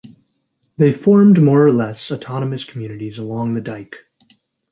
They formed more or less autonomous communities along the dike.